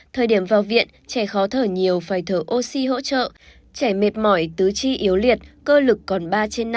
thời điểm vào viện trẻ khó thở nhiều phải thở oxy hỗ trợ trẻ mệt mỏi tứ chi yếu liệt cơ lực còn ba trên năm mươi